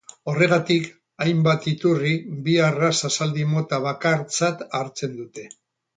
Horregatik hainbat iturri bi arraza zaldi mota bakartzat hartzen dute.